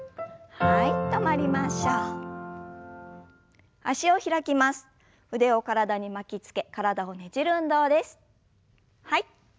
はい。